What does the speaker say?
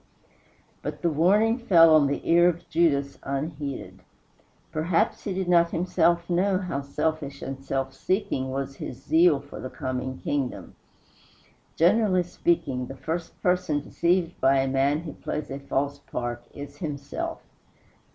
But the warning fell on the ear of Judas unheeded. Perhaps he did not himself know how selfish and self seeking was his zeal for the coming kingdom. Generally speaking, the first person deceived by a man who plays a false part is himself.